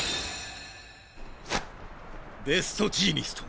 ベストジーニスト